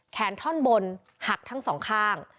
ท่อนบนหักทั้งสองข้าง